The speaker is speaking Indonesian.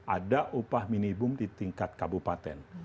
ada upah minimum di tingkat kabupaten